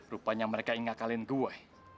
rupanya mereka ingat kalian gue